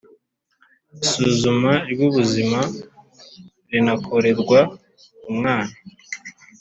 Isuzuma ry ubuzima rinakorerwa umwana